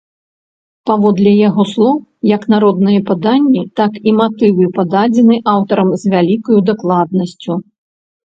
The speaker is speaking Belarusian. Паводле яго слоў, як народныя паданні, так і матывы пададзены аўтарам з вялікаю дакладнасцю.